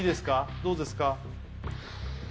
どうですか？